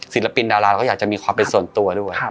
ศิลปินดาราเราก็อยากจะมีความเป็นส่วนตัวด้วย